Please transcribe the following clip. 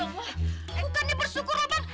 ya allah bukannya bersyukur bang